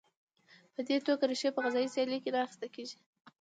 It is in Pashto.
په دې توګه ریښې په غذایي سیالۍ کې نه اخته کېږي.